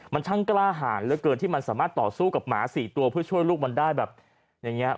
มันช่างกล้าหารเหลือเกินที่มันสามารถต่อสู้กับหมา๔ตัวเพื่อช่วยลูกมันได้แบบอย่างนี้